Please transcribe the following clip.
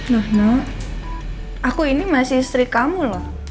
nuh nuh aku ini masih istri kamu loh